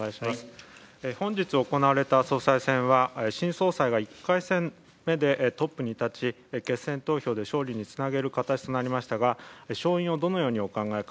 本日行われた総裁選は新総裁は１回戦目でトップに立ち、決選投票で勝利につなげる形となりましたが勝因をどのようにお考えか。